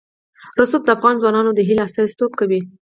رسوب د افغان ځوانانو د هیلو استازیتوب کوي.